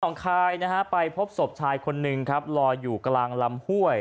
งคายนะฮะไปพบศพชายคนหนึ่งครับลอยอยู่กลางลำห้วย